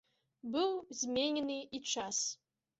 Быў зменены і час.